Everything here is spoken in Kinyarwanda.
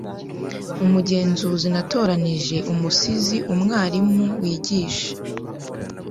Umugenzuzi natoranije umusizi umwarimu wigisha